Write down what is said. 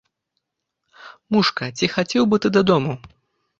Мушка, ці хацеў бы ты дадому?